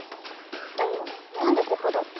でもなんでここだって。